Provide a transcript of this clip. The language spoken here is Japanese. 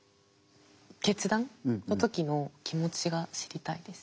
決断の時の気持ちが知りたいです。